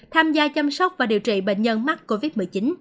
tham gia chăm sóc và điều trị bệnh nhân mắc covid một mươi chín